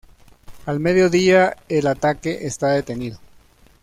Al mediodía el ataque está detenido.